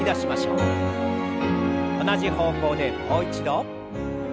同じ方向でもう一度。